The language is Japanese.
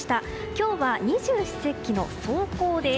今日は二十四節気の霜降です。